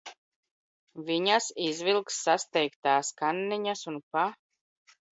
Vi?as izvilks sasteigt?s kanni?as un pa